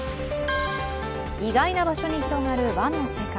意外な場所に広がる和の世界。